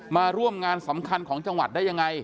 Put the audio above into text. มาร่วมงานสำคัญของจังหวัดได้ยังไง